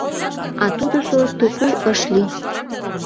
А тудыжо тупуй ыш лий.